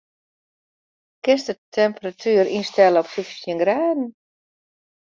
Kinst de temperatuer ynstelle op fyftjin graden?